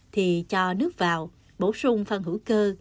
thì cho nước vào bổ sung phân hữu cơ